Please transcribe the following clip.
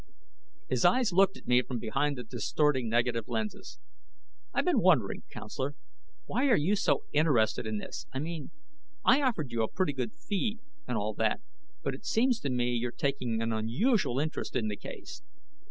His eyes looked at me from behind the distorting negative lenses. "I've been wondering, counselor why are you so interested in this? I mean, I offered you a pretty good fee, and all that, but it seems to me you're taking an unusual interest in the case."